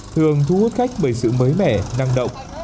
thường thu hút khách bởi sự mới mẻ năng động